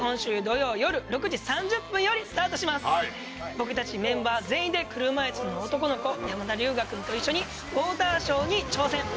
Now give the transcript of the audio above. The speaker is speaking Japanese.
僕たちメンバー全員で車いすの男の子山田龍芽君と一緒にウォーターショーに挑戦！